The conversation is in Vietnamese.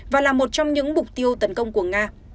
và là một trong những mục tiêu tấn công của nga